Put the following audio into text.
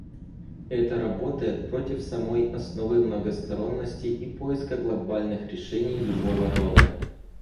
Это работает против самой основы многосторонности и поиска глобальных решений любого рода.